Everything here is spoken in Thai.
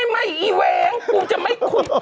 ไม่อีเว้งกูจะไม่คุม